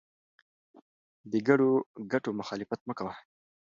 د ګډو ګټو مخالفت مه کوه.